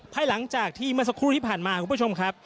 ภายหลังจากที่เมื่อสักครู่ที่ผ่านมาคุณผู้ชมครับ